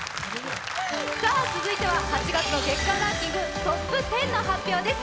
続いては８月の月間ランキングトップ１０の発表です。